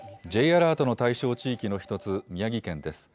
Ｊアラートの対象地域の１つ、宮城県です。